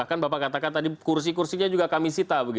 rumah makan yang bersangkutan